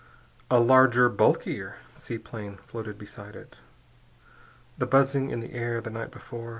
A larger, bulkier seaplane floated beside it. The buzzing in the air the night before....